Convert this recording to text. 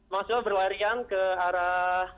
mahasiswa berlarian ke arah